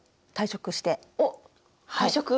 おっ退職？